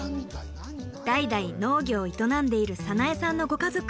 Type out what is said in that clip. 代々農業を営んでいる早苗さんのご家族。